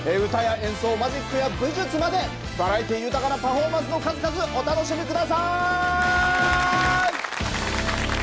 歌や演奏マジックや武術までバラエティー豊かなパフォーマンスの数々お楽しみ下さい！